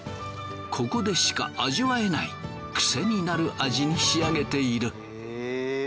ここでしか味わえないくせになる味に仕上げている。